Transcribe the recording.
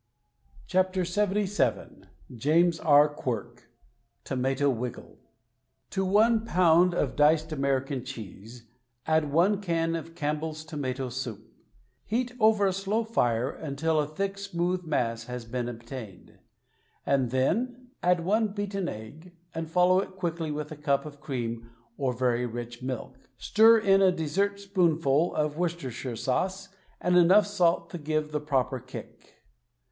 WRITTEN FOR MEN BY MEN LXXVII James R. Quirk TOMATO WIGGLE To one pound of diced American cheese, add one can of Campbell's Tomato Soup. Heat over a slow fire until a thick, smooth mass has been obtained. And then — Add one beaten egg, and follow it quickly with a cup of cream or very rich milk. Stir in a dessertspoonful of Worcestershire Sauce, and enough salt to give the proper kick.